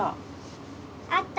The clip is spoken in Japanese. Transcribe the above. あった！